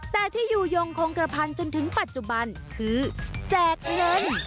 แต่ที่อยู่ยงคงกระพันจนถึงปัจจุบันคือแจกเงิน